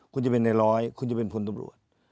คุณจะเป็นในร้อยคุณจะเป็นพลตำรวจ